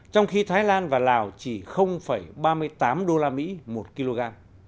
trong khi thái lan và lào chỉ ba mươi tám usd một kg